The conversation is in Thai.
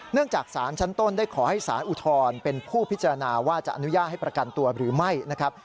จากศาลชั้นต้นได้ขอให้สารอุทธรณ์เป็นผู้พิจารณาว่าจะอนุญาตให้ประกันตัวหรือไม่นะครับ